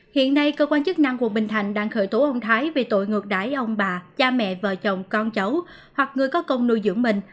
hiện nay cơ quan chức năng quận bình thành đang khởi tố ông thái về tội ngược đáy ông bà cha mẹ vợ chồng con cháu hoặc người có công nuôi dưỡng mình